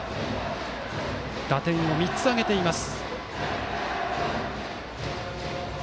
打点を３つ挙げています。